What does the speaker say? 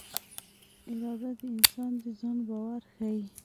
اراده د انسان د ځان باور ښيي.